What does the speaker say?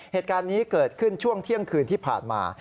เหตุการณ์นี้เกิดขึ้นช่วงเที่ยงคืนที่ผ่านมา